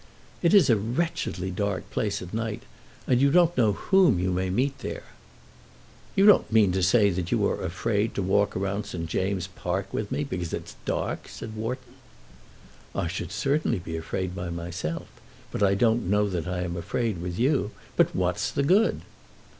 "It is a wretchedly dark place at night, and you don't know whom you may meet there." "You don't mean to say that you are afraid to walk round St. James's Park with me, because it's dark!" said Wharton. "I certainly should be afraid by myself, but I don't know that I am afraid with you. But what's the good?"